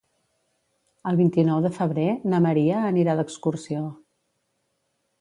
El vint-i-nou de febrer na Maria anirà d'excursió.